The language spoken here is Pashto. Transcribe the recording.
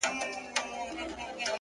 زحمت د خوبونو ریښتینی قیمت دی’